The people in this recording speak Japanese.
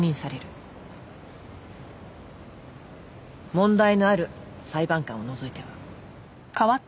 問題のある裁判官を除いては。